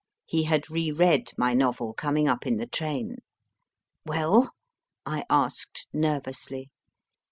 He had re read my novel coming up in the train. Well ? I asked, nervously.